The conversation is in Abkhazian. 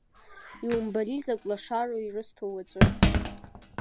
Иумбари закә лашароу ирысҭо уаҵәы!